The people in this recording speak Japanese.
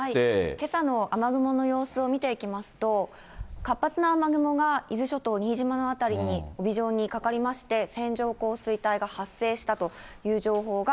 けさの雨雲の様子を見ていきますと、活発な雨雲が伊豆諸島、新島の辺りに帯状にかかりまして、線状降水帯が発生したという情報